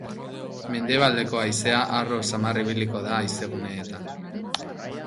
Mendebaldeko haizea harro samar ibiliko da haizeguneetan.